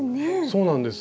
そうなんです。